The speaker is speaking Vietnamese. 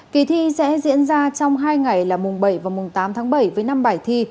kỳ thi sẽ diễn ra trong hai ngày là mùng bảy và mùng tám tháng bảy với năm bài thi